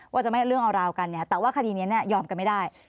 ว่าจะไม่เรื่องเอาราวกันเนี่ยแต่ว่าคดีนี้ยอมกันไม่ได้